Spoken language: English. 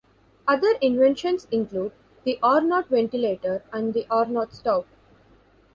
Other inventions include the Arnott ventilator and the Arnott stove.